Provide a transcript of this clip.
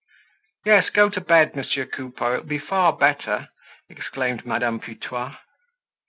"Yes, go to bed, Monsieur Coupeau; it will be far better," exclaimed Madame Putois.